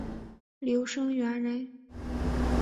刘声元人。